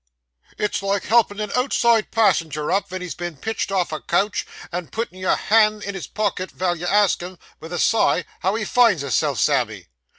It's like helping an outside passenger up, ven he's been pitched off a coach, and puttin' your hand in his pocket, vile you ask him, vith a sigh, how he finds his self, Sammy.